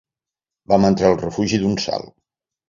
Vam entrar al refugi d'un salt